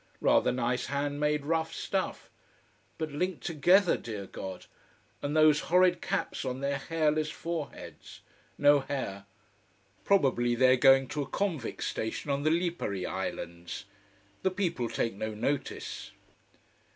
Rather nice handmade rough stuff. But linked together, dear God! And those horrid caps on their hairless foreheads. No hair. Probably they are going to a convict station on the Lipari islands. The people take no notice.